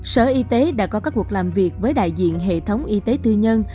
sở y tế đã có các cuộc làm việc với đại diện hệ thống y tế tư nhân